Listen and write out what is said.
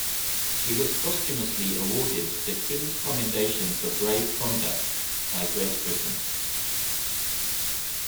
She was posthumously awarded the "King's Commendation for Brave Conduct" by Great Britain.